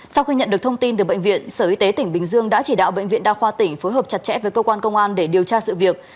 sau khi nhận được thông tin từ bệnh viện sở y tế tỉnh bình dương đã chỉ đạo bệnh viện đa khoa tỉnh phối hợp chặt chẽ với cơ quan công an để điều tra sự việc